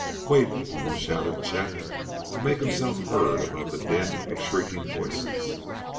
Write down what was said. "Wait!" almost shouted Chet to make himself heard above the din of shrieking voices.